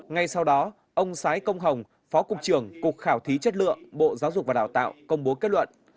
ngay sau đó ông sái công hồng phó cục trưởng cục khảo thí chất lượng bộ giáo dục và đào tạo công bố kết luận